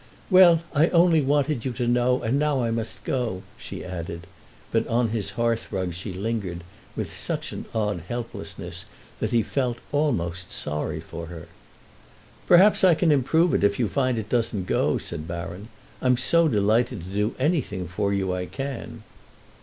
"Well, I only wanted you to know, and now I must go," she added; but on his hearthrug she lingered with such an odd helplessness that he felt almost sorry for her. "Perhaps I can improve it if you find it doesn't go," said Baron. "I'm so delighted to do anything for you I can."